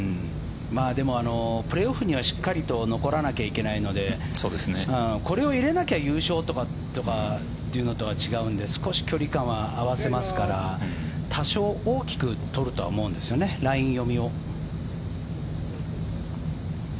でもプレーオフにはしっかりと残らないといけないのでこれを入れなきゃ優勝とかというのとは違うんで少し距離感は合わせますから多少大きくとるとは思うんですよね、ライン読みを。